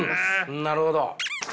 なるほど。